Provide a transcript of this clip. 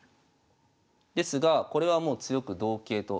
ですがこれはもう強く同桂と。